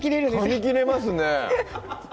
かみ切れますね